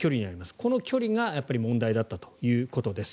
この距離が問題だったということです。